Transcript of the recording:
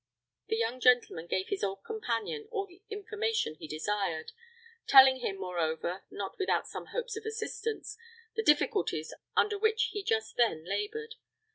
The young gentleman gave his old companion all the information he desired; telling him, moreover, not without some hopes of assistance, the difficulties under which he just then labored.